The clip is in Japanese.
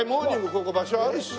ここ場所あるしさ。